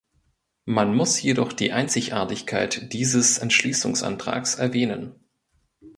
Man muss jedoch die Einzigartigkeit dieses Entschließungsantrags erwähnen.